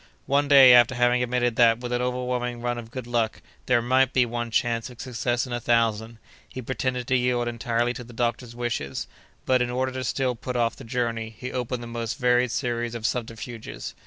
One day, after having admitted that, with an overwhelming run of good luck, there might be one chance of success in a thousand, he pretended to yield entirely to the doctor's wishes; but, in order to still put off the journey, he opened the most varied series of subterfuges.